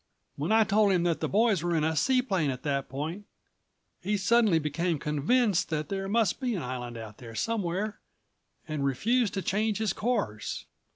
When I told him that the boys were in a seaplane at that point, he suddenly became convinced that there must be an island out there somewhere and refused to change his course.